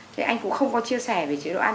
thế anh cũng không có chia sẻ về chế độ ăn